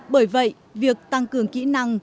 bởi vậy việc tăng cường kỹ năng